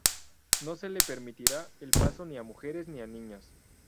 No se le permitirá el paso ni a mujeres ni a niños.